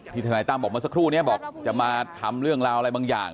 ทนายตั้มบอกเมื่อสักครู่นี้บอกจะมาทำเรื่องราวอะไรบางอย่าง